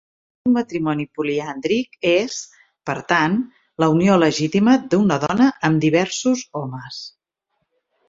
Un matrimoni poliàndric és, per tant, la unió legítima d'una dona amb diversos homes.